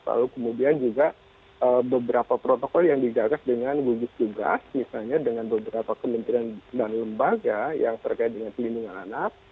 lalu kemudian juga beberapa protokol yang digagas dengan gugus tugas misalnya dengan beberapa kementerian dan lembaga yang terkait dengan pelindungan anak